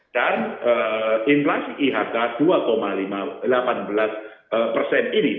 dan inflasi ihk dua delapan belas persen ini